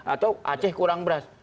atau aceh kurang beras